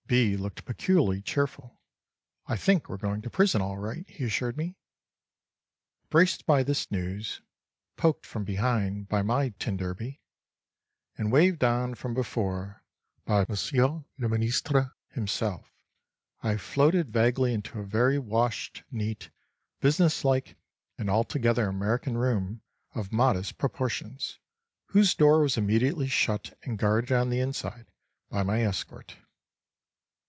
B. looked peculiarly cheerful. "I think we're going to prison all right," he assured me. Braced by this news, poked from behind by my t d, and waved on from before by M. le Ministre himself, I floated vaguely into a very washed, neat, business like and altogether American room of modest proportions, whose door was immediately shut and guarded on the inside by my escort.